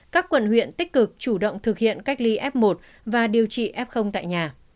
các quận huyện tích cực chủ động thực hiện cách ly f một và điều trị f tại nhà